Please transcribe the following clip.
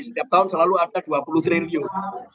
setiap tahun selalu ada dua puluh triliun